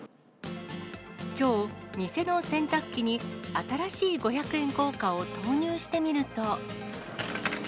きょう、店の洗濯機に新しい五百円硬貨を投入してみると。